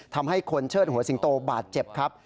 ทำให้คนเชิดหัวสิงโตบาดเจ็บครับ